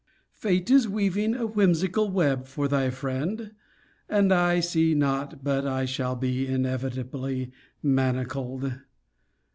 Fate is weaving a whimsical web for thy friend; and I see not but I shall be inevitably manacled.